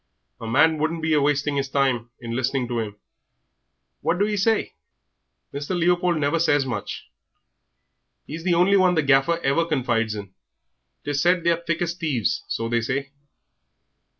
A man wouldn't be a wasting 'is time in listening to 'im. What do 'e say?" "Mr. Leopold never says much. He's the only one the Gaffer ever confides in. 'Tis said they are as thick as thieves, so they say.